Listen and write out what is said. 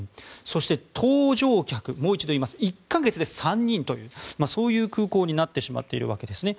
そして、搭乗客もう一度言います１か月で３人というそういう空港になってしまっているわけですね。